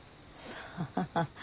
さあ？